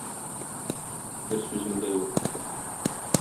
Бер сүзем дә юк.